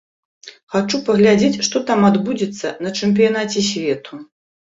Хачу паглядзець, што там адбудзецца на чэмпіянаце свету.